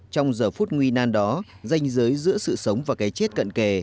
trong giờ phút nguy nan đó danh giới giữa sự sống và cái chết cận kề